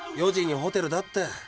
４時にホテルだって。